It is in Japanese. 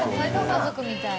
家族みたい。